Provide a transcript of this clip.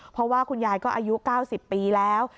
เพราะว่าคุณยายก็อายุ๙๐ปีแล้ว